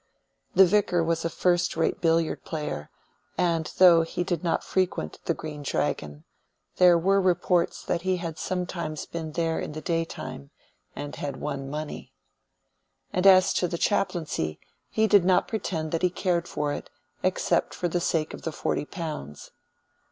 The Vicar was a first rate billiard player, and though he did not frequent the Green Dragon, there were reports that he had sometimes been there in the daytime and had won money. And as to the chaplaincy, he did not pretend that he cared for it, except for the sake of the forty pounds.